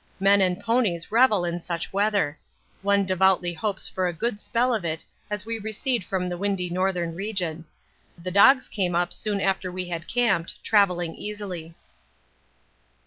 Men and ponies revel in such weather. One devoutly hopes for a good spell of it as we recede from the windy northern region. The dogs came up soon after we had camped, travelling easily.